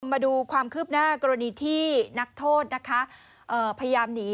มาดูความคืบหน้ากรณีที่นักโทษนะคะพยายามหนี